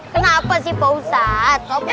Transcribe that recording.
kenapa sih pak ustadz